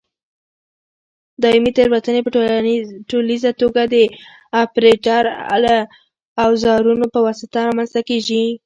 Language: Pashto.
دایمي تېروتنې په ټولیزه توګه د اپرېټر او اوزارونو په واسطه رامنځته کېږي.